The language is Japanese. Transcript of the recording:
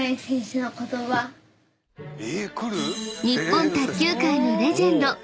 ［日本卓球界のレジェンド］